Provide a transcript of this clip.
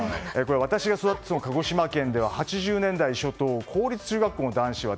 私が育った鹿児島県では８０年代初頭公立中学校の男子は